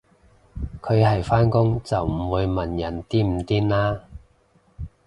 佢係返工就唔會問人癲唔癲啦